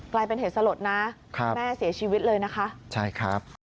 กลายเป็นเหตุสลดนะครับแม่เสียชีวิตเลยนะคะใช่ครับ